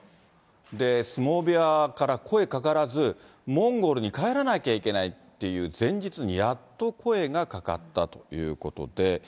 で、相撲部屋から声かからず、モンゴルに帰らなきゃいけないっていう前日に、やっと声がかかったということで。